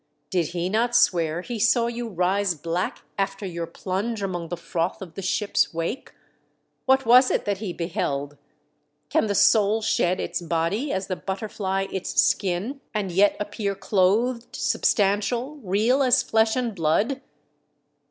Did not he swear he saw you rise black after your plunge among the froth of the ship's wake ? What was it that he beheld .* Can the soul shed its body as the butterfly its skin and yet appear clothed, substantial, real as flesh and blood